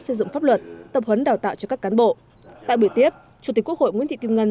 xây dựng pháp luật tập huấn đào tạo cho các cán bộ tại buổi tiếp chủ tịch quốc hội nguyễn thị kim ngân